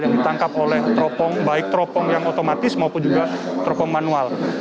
yang ditangkap oleh teropong baik teropong yang otomatis maupun juga teropong manual